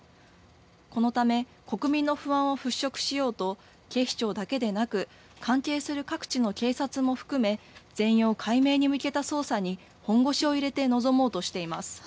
このため、国民の不安を払拭しようと、警視庁だけでなく、関係する各地の警察も含め、全容解明に向けた捜査に、本腰を入れて臨もうとしています。